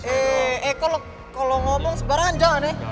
eh eh eh kalau ngomong sebarang aja kan ya